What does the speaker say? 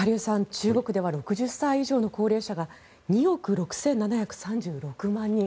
中国では６０歳以上の高齢者が２億６７３６万人。